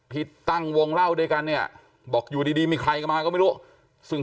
ที่ตั้งวงเล่าด้วยกันเนี่ยบอกอยู่ดีมีใครกันมาก็ไม่รู้ซึ่ง